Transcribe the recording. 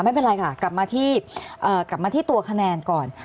ไม่เป็นไรค่ะกลับมาที่ตัวคะแนนก่อน